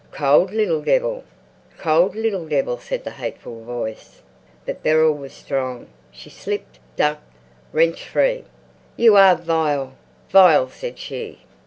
"Cold little devil! Cold little devil!" said the hateful voice. But Beryl was strong. She slipped, ducked, wrenched free. "You are vile, vile," said she.